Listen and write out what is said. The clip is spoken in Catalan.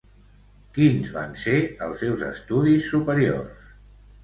Quins van ser els seus estudis superiors?